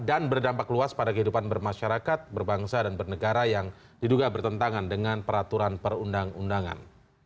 dan berdampak luas pada kehidupan bermasyarakat berbangsa dan bernegara yang diduga bertentangan dengan peraturan perundang undangan